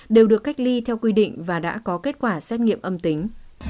đều được cách ly theo quy định và đã có kết quả xét nghiệm âm tính